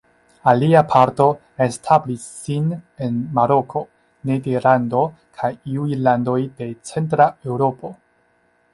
Alia parto establis sin en Maroko, Nederlando kaj iuj landoj de Centra Eŭropo.